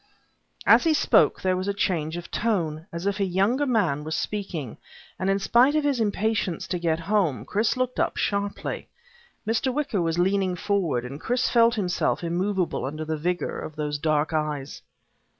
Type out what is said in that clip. As he spoke there was a change of tone, as if a younger man was speaking, and in spite of his impatience to get home, Chris looked up sharply. Mr. Wicker was leaning forward, and Chris felt himself immovable under the vigor of those dark eyes.